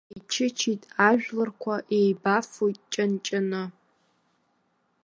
Еичычеит ажәларқәа еибафоит ҷанҷаны.